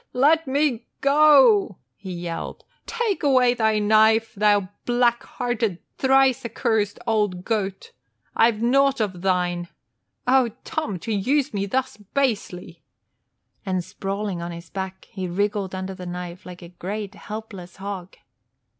"Let me go!" he yelled. "Take away thy knife, thou black hearted, thrice accurst old goat! I've nought of thine. O Tom, to use me thus basely!" And sprawling on his back, he wriggled under the knife like a great, helpless hog.